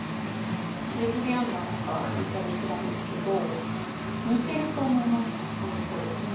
私レズビアンバーとか行ったりしてたんですけど似てると思います割と。